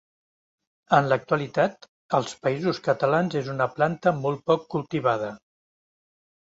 En l'actualitat, als Països Catalans és una planta molt poc cultivada.